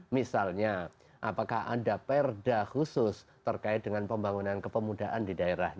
misalnya apakah ada perda khusus terkait dengan pembangunan kepemudaan di daerah